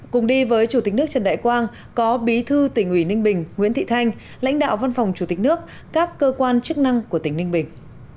cùng đi với chủ tịch nước trần đại quang có bí thư tỉnh ủy ninh bình nguyễn thị thanh lãnh đạo văn phòng chủ tịch nước các cơ quan chức năng của tỉnh ninh bình